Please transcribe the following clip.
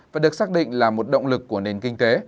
và được xác định là một động lực của nền kinh tế